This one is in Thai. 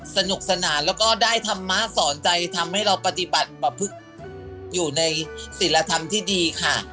สนุกสนานแล้วก็ได้ธรรมะสอนใจทำให้เราปฏิบัติอยู่ในศิลธรรมที่ดีค่ะ